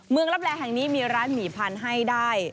ลับแลแห่งนี้มีร้านหมี่พันธุ์ให้ได้